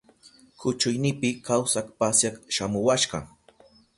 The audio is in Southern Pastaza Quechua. Kuchuynipi kawsak pasyak shamuwashka.